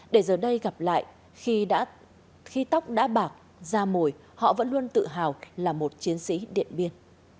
để giờ đây gặp lại khi tóc đã bạc ra mồi họ vẫn luôn tự hào là một chiến sĩ điện biên